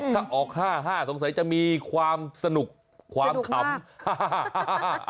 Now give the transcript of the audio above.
ถ้าออก๕๕สงสัยจะมีความสนุกความคำ